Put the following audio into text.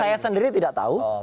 saya sendiri tidak tahu